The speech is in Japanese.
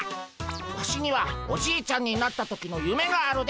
ワシにはおじいちゃんになった時のゆめがあるでゴンス。